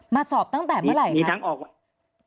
มาสอบตั้งแต่เมื่อไหร่คะ